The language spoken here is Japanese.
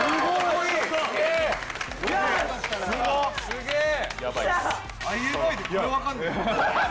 すげえ。